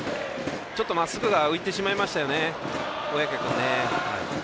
ちょっと、まっすぐが浮いてしまいましたよね、小宅君。